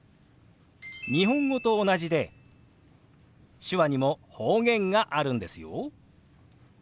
日本語と同じで手話にも方言があるんですよ。